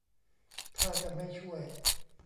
ท่าจะไม่ช่วย